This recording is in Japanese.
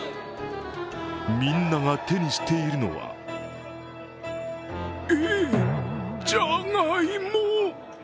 みんなが手にしているのがえっ、じゃがいも？